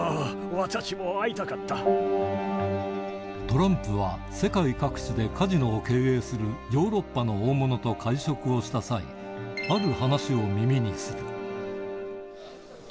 トランプは世界各地でカジノを経営するヨーロッパの大物と会食をした際ほう。